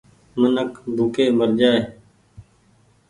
منک ڀوڪي مرجآئي ۔